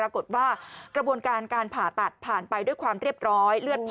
ปรากฏว่ากระบวนการการผ่าตัดผ่านไปด้วยความเรียบร้อย